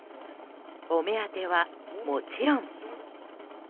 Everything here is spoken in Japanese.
お目当ては、もちろん。